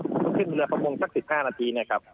ตอนนี้ก็ขึ้นเรือประมงจาก๑๕นาทีนะครับ